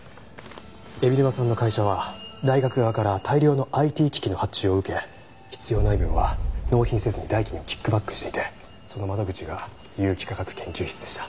海老沼さんの会社は大学側から大量のＩＴ機器の発注を受け必要ない分は納品せずに代金をキックバックしていてその窓口が有機化学研究室でした。